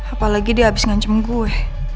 apalagi dia abis ngancam gue